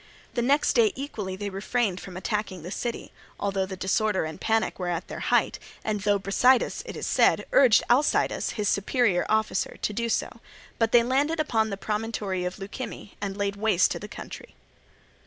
The next day equally they refrained from attacking the city, although the disorder and panic were at their height, and though Brasidas, it is said, urged Alcidas, his superior officer, to do so, but they landed upon the promontory of Leukimme and laid waste the country.